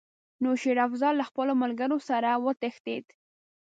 نو شېر افضل له خپلو ملګرو سره وتښتېد.